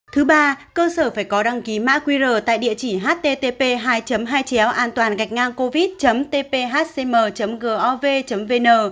thứ ba cơ sở phải có đăng ký mã qr tại địa chỉ http antoangạchngangcovid tphcm gov vn